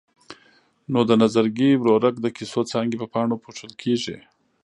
نو د نظرګي ورورک د کیسو څانګې په پاڼو پوښل کېږي.